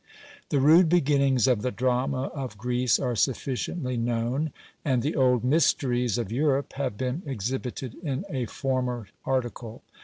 The rude beginnings of the drama of Greece are sufficiently known, and the old mysteries of Europe have been exhibited in a former article.